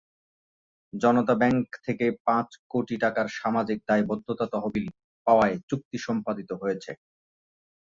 জনতা bank থেকে পাঁচ কোটি টাকার সামাজিক দায়বদ্ধতা তহবিল পাওয়ার চুক্তি সম্পাদিত হয়েছে।